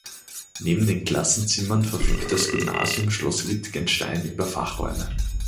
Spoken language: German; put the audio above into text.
Neben den Klassenzimmern verfügt das Gymnasium Schloss Wittgenstein über Fachräume.